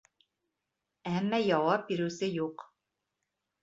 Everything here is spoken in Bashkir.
Әммә яуап биреүсе юҡ.